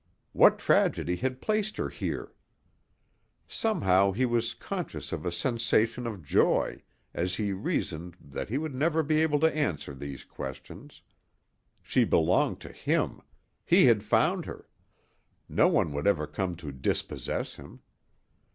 What tragedy had placed her here? Somehow he was conscious of a sensation of joy as he reasoned that he would never be able to answer these questions. She belonged to him. He had found her. No one would ever come to dispossess him.